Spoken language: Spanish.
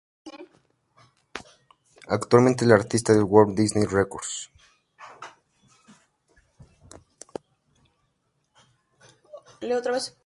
Actualmente es artista de Walt Disney Records.